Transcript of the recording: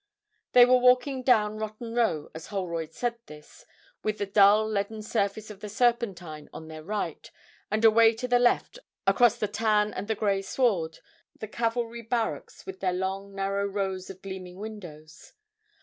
They were walking down Rotten Row as Holroyd said this, with the dull leaden surface of the Serpentine on their right, and away to the left, across the tan and the grey sward, the Cavalry Barracks, with their long narrow rows of gleaming windows.